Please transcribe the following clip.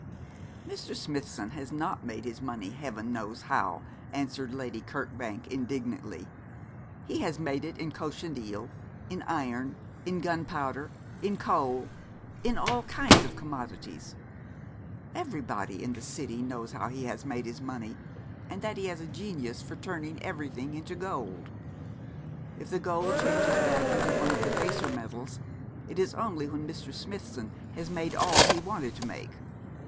'Mr. Smithson has not made his money heaven knows how,' answered Lady Kirkbank, indignantly. 'He has made it in cochineal, in iron, in gunpowder, in coal, in all kinds of commodities. Everybody in the City knows how he has made his money, and that he has a genius for turning everything into gold. If the gold changes back into one of the baser metals, it is only when Mr. Smithson has made all he wanted to make.